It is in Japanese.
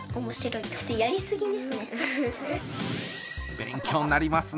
勉強になりますね。